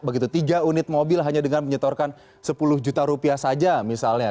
begitu tiga unit mobil hanya dengan menyetorkan sepuluh juta rupiah saja misalnya